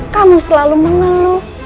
kamu selalu mengeluh